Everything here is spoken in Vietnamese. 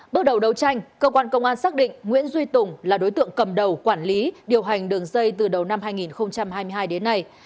bước đầu đấu tranh cơ quan công an xác định nguyễn duy tùng là đối tượng cầm đầu quản lý điều hành đường dây từ đầu năm hai nghìn hai mươi hai đến nay